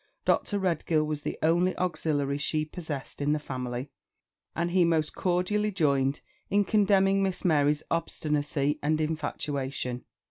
Dr. Redgill was the only auxiliary she possessed in the family, and he most cordially joined he in condemning Miss Mary's obstinacy and infatuation.